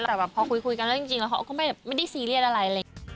แต่แบบพอคุยกันแล้วจริงแล้วเขาก็ไม่ได้ซีเรียสอะไรเลย